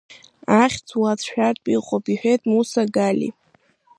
Ахьӡ уацәшәартә иҟоуп, – иҳәеит Муса Гали.